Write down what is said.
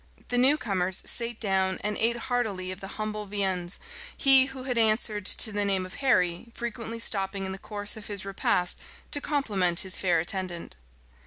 The new comers sate down, and ate heartily of the humble viands, he who had answered to the name of Harry frequently stopping in the course of his repast to compliment his fair attendant.